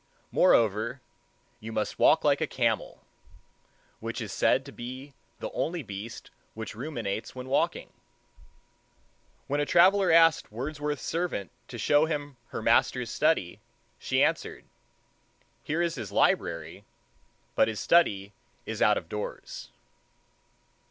Moreover, you must walk like a camel, which is said to be the only beast which ruminates when walking. When a traveler asked Wordsworth's servant to show him her master's study, she answered, "Here is his library, but his study is out of doors."